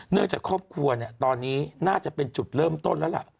จากครอบครัวเนี่ยตอนนี้น่าจะเป็นจุดเริ่มต้นแล้วล่ะ